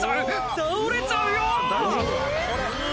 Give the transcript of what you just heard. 倒れちゃうよ！